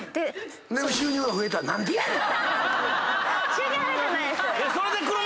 収入は増えてないです。